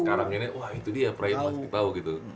sekarang ini wah itu dia peraih masih di tau gitu